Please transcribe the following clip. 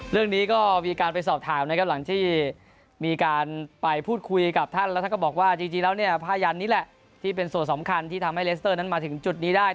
เรื่องนี้ก็มีการไปสอบถามนะครับหลังที่มีการไปพูดคุยกับท่านแล้วท่านก็บอกว่าจริงแล้วเนี่ยผ้ายันนี้แหละที่เป็นส่วนสำคัญที่ทำให้เลสเตอร์นั้นมาถึงจุดนี้ได้